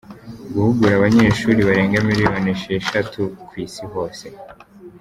guhugura abanyeshuri barenga miliyoni esheshatu ku Isi hose,.